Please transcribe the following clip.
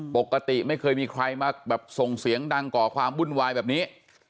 ปกติไม่เคยมีใครมาแบบส่งเสียงดังก่อความวุ่นวายแบบนี้